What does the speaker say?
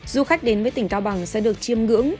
du khách đến với tỉnh cao bằng sẽ được chiêm ngưỡng